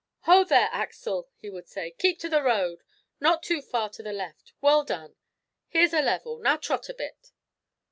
"Ho there, Axel!" he would say. "Keep to the road, not too far to the left. Well done. Here's a level; now trot a bit."